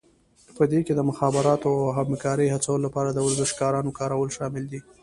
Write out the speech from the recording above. په دې کې د مخابراتو او همکارۍ هڅولو لپاره د ورزشکارانو کارول شامل دي